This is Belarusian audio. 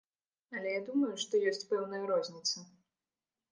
Але я думаю, што ёсць пэўная розніца.